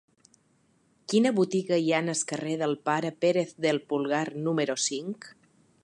Quina botiga hi ha al carrer del Pare Pérez del Pulgar número cinc?